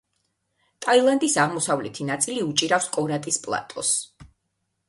ტაილანდის აღმოსავლეთი ნაწილი უჭირავს კორატის პლატოს.